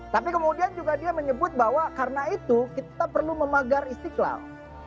tapi kemudian juga dia menyebut bahwa karena itu kita perlu memagar istiqlal